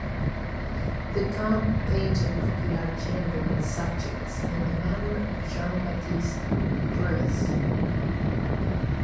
Descamps painted popular genre subjects in the manner of Jean-Baptiste Greuze.